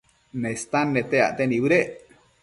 Nestan nete acte nibëdec